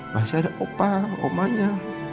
masih ada opa omanya